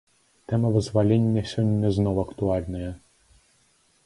Тэма вызвалення сёння зноў актуальная.